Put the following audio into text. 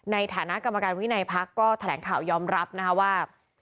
ในฐานะกรรมการวินัยพักก็แถลงข่าวยอมรับนะคะว่า